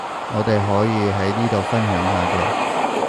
我哋可以喺呢度分享下嘅